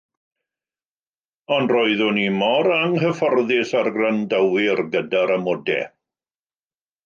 Ond roeddwn i mor anghyfforddus â'r gwrandawyr gyda'r amodau.